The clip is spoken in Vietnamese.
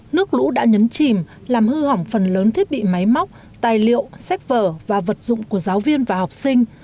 nước lũ đã nhấn chìm làm hư hỏng phần lớn thiết bị máy móc tài liệu sách vở và vật dụng của giáo viên và học sinh